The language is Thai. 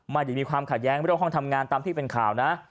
มันจะมีความขาดแย้งบริโรคห้องทำงานตามที่เป็นข่าวนะ